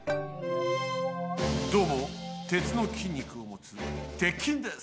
どうも鉄の筋肉をもつ鉄筋です。